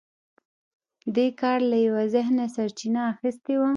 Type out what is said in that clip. دې کار له یوه ذهنه سرچینه اخیستې وه